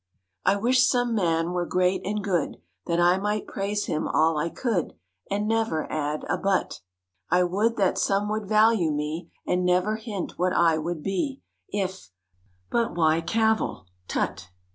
I wish some man were great and good That I might praise him all I could And never add a "but." I would that some would value me And never hint what I would be "If" but why cavil? Tut!